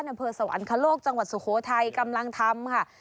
อำเภอสวรรคโลกจังหวัดสุโขทัยกำลังทำค่ะ